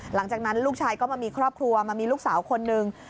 หลังจากนั้นลูกชายก็มามีครอบครัวมามีลูกสาวคนนึง